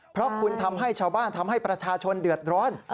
เพราะคุณทำให้ชาวบ้านทำให้ประชาชนเดือดร้อน